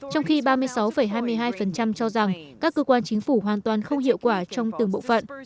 trong khi ba mươi sáu hai mươi hai cho rằng các cơ quan chính phủ hoàn toàn không hiệu quả trong từng bộ phận